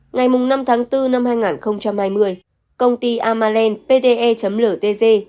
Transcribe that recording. ngày năm tháng bốn năm hai nghìn hai mươi công ty amalend pte ltg